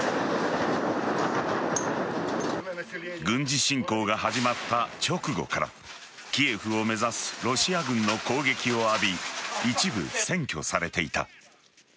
軍事侵攻が始まった直後からキエフを目指すロシア軍の攻撃を浴び一部占拠されていた。